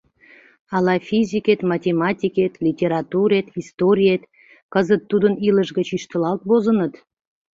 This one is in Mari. Ала физикет, математикет, литературет, историет кызыт тудын илыш гыч ӱштылалт возыныт?